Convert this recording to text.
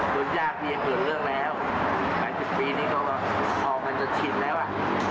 ส่วนยากนี้เกิดเรื่องแล้วหลายสิบปีนี้ก็ออกกันจะชิดแล้วอ่ะ